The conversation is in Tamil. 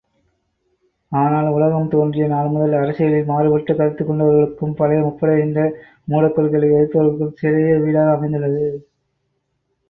ஆனால் உலகம் தோன்றிய நாள்முதல், அரசியலில் மாறுபட்ட கருத்துக்கொண்டவர்களுக்கும் பழையமூப்படைந்த மூடக் கொள்கைகளை எதிர்பவர்களுக்கும் சிறையே வீடாக அமைந்துள்ளது.